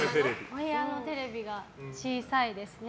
お部屋のテレビが小さいですね。